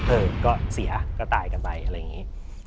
เออก็เสียก็ตายกันไปอะไรอย่างนี้